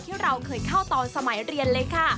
ที่เราเคยเข้าตอนสมัยเรียนเลยค่ะ